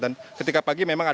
dan ketika pagi memang ada